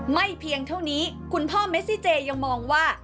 เพียงเท่านี้คุณพ่อเมซิเจยังมองว่า